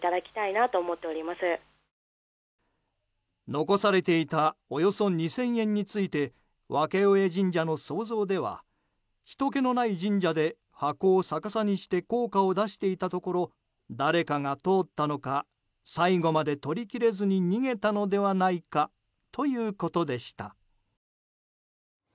残されていたおよそ２０００円について別小江神社の想像ではひとけのない神社で箱を逆さにして硬貨を出していたところ誰かが通ったのか最後まで取り切れずに逃げたのではないかということでした。